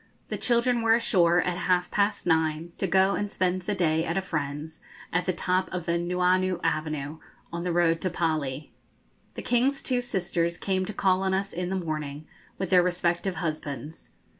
The children were ashore at half past nine, to go and spend the day at a friend's, at the top of the Nuuanu Avenue, on the road to the Pali. The King's two sisters came to call on us in the morning with their respective husbands.